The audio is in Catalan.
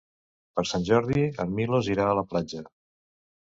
Per Sant Jordi en Milos irà a la platja.